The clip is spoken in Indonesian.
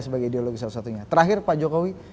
sebagai ideologi salah satu satunya terakhir pak jokowi